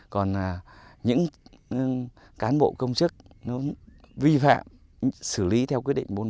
còn những cán bộ công chức vi phạm xử lý theo quyết định bốn bốn